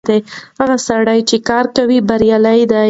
هغه سړی چې کار کوي بريالی دی.